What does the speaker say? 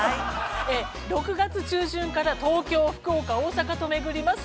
◆６月中旬から東京、福岡大阪と巡ります。